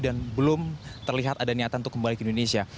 belum terlihat ada niatan untuk kembali ke indonesia